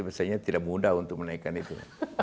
biasanya tidak mudah untuk menaikkan itu